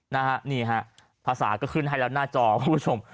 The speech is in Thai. นะฮะนี่ฮะภาษาก็ขึ้นให้แล้วหน้าจอคุณผู้ชม